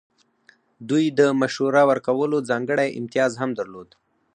دوی د مشوره ورکولو ځانګړی امتیاز هم درلود.